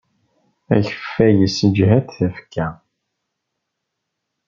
Akeffay yessejhad tafekka.